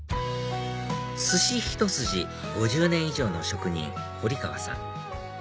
寿司ひと筋５０年以上の職人堀川さん